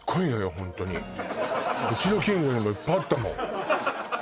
ホントにうちの近所にもいっぱいあったもん